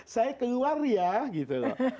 saya keluar ya gitu loh